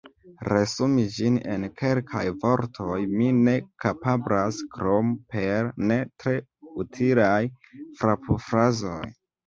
Resumi ĝin en kelkaj vortoj mi ne kapablas, krom per ne tre utilaj frapfrazoj.